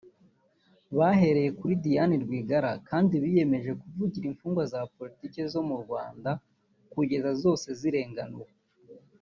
Bahereye kuri Diane Rwigara kandi biyemeje kuvugira imfungwa za politike zo mu Rwanda kugeza zose zirenganuwe